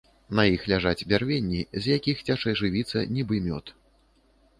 На іх ляжаць бярвенні, з якіх цячэ жывіца, нібы мёд.